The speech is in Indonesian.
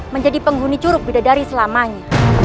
menjadi penghuni curug bidadari selamanya